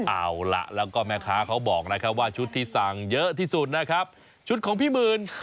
เอาล่ะแล้วก็แม่ค้าเขาบอกนะครับว่าชุดที่สั่งเยอะที่สุดนะครับชุดของพี่หมื่น